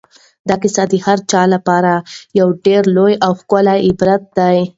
دا کیسه د هر چا لپاره یو ډېر لوی او ښکلی عبرت دی.